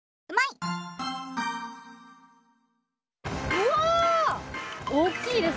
うわ！